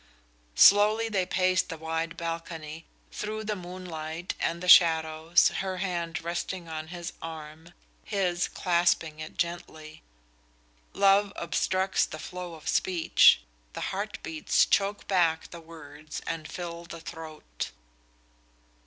Slowly they paced the wide balcony, through the moonlight and the shadows, her hand resting on his arm, his clasping it gently. Love obstructs the flow of speech; the heart beats choke back the words and fill the throat.